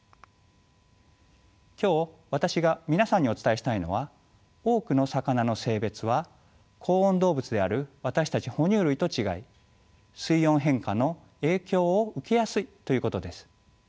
今日私が皆さんにお伝えしたいのは多くの魚の性別は恒温動物である私たち哺乳類と違い水温変化の影響を受けやすいということです。